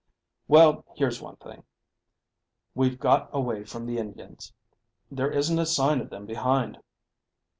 "Well, here's one thing we've got away from the Indians. There isn't a sign of them behind."